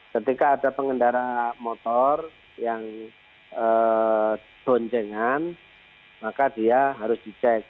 ketika ada pengendara motor yang donjangan maka dia harus di check